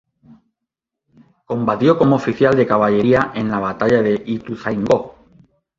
Combatió como oficial de caballería en la batalla de Ituzaingó.